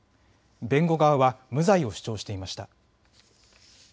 弁護側は無罪を主張していました。